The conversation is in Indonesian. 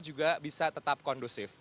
juga bisa tetap kondusif